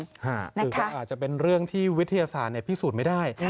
คือก็อาจจะเป็นเรื่องที่วิทยาศาสตร์พิสูจน์ไม่ได้